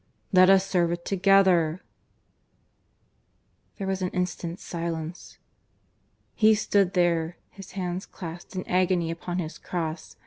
Let us serve it together!" There was an instant's silence. He stood there, his hands clasped in agony upon his cross.